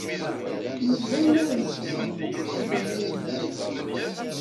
Yuba la isess aṭas tagara-a.